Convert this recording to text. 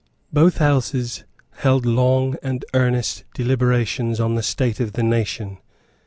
Both Houses held long and earnest deliberations on the state of the nation.